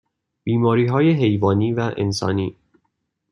بیماریهای حیوانی و انسانی